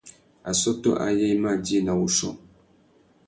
Assôtô ayê i mà djï nà wuchiô.